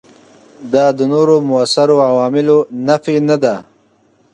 دا د نورو موثرو عواملونو نفي نه ده.